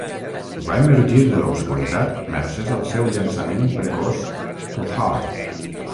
Va emergir de l'obscuritat mercès al seu llançament precoç "To Heart".